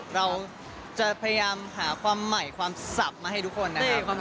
เราจะพยายามหาความใหม่ความสับมาให้ทุกคนนะ